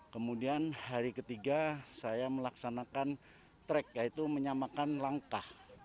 kemudian hari ketiga saya melaksanakan track yaitu menyamakan langkah